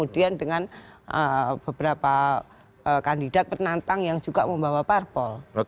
dengan beberapa kandidat penantang yang juga membawa parpol